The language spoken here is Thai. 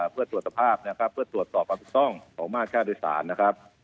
เพื่อตรวจสภาพนะครับเพื่อตรวจสอบความถูกต้องของมาตรค่าโดยสารนะครับ